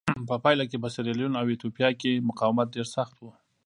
په پایله کې په سیریلیون او ایتوپیا کې مقاومت ډېر سخت و.